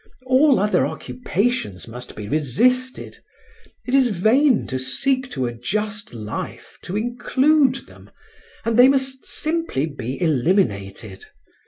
All other occupations must be resisted; it is vain to seek to adjust life to include them, and they must simply be eliminated.